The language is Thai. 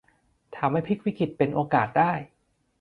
ทำให้พลิกวิกฤตเป็นโอกาสได้